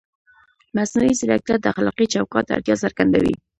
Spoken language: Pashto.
مصنوعي ځیرکتیا د اخلاقي چوکاټ اړتیا څرګندوي.